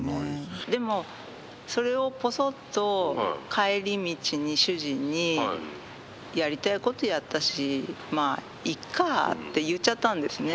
でもそれをポソッと帰り道に主人に「やりたいことやったしまあいっか」って言っちゃったんですね。